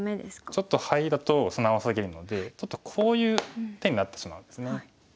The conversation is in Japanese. ちょっとハイだと素直すぎるのでこういう手になってしまうんですね。